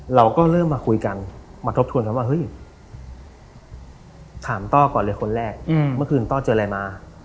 เราก็เริ่มมาคุยกันมาทบทวนกันว่าเฮ้ยถามต้อก่อนเลยคนแรกเมื่อคืนต้อเจออะไรมา